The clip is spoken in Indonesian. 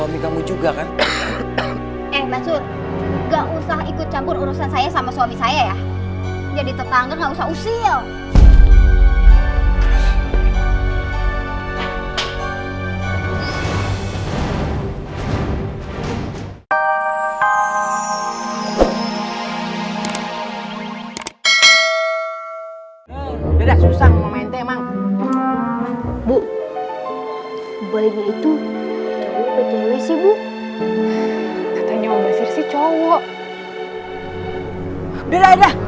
jangan jangan perempuan yang kita sangka kunti semalam itu